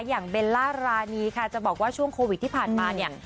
เบลล่ารานีค่ะจะบอกว่าช่วงโควิดที่ผ่านมาเนี่ย